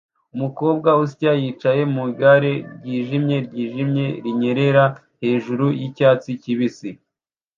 Umukobwa usya yicaye mu igare ryijimye ryijimye rinyerera hejuru yicyatsi kibisi